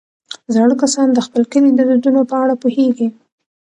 زاړه کسان د خپل کلي د دودونو په اړه پوهېږي